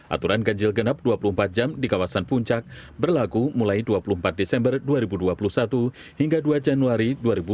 aturan ganjil genap dua puluh empat jam di kawasan puncak berlaku mulai dua puluh empat desember dua ribu dua puluh satu hingga dua januari dua ribu dua puluh